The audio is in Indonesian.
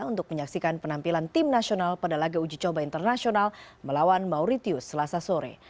untuk menyaksikan penampilan tim nasional pada laga uji coba internasional melawan mauritius selasa sore